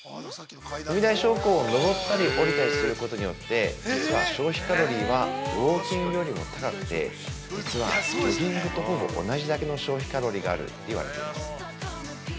踏み台昇降を上ったり下りたりすることによって実は消費カロリーはウオーキングよりも高くて、実はジョギングと同じだけの消費カロリーがあると言われています。